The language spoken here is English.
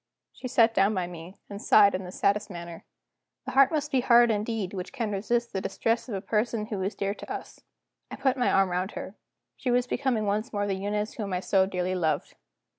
She sat down by me, and sighed in the saddest manner. The heart must be hard indeed which can resist the distress of a person who is dear to us. I put my arm round her; she was becoming once more the Eunice whom I so dearly loved.